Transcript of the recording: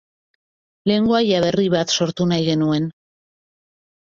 Lengoaia berri bat sortu nahi genuen.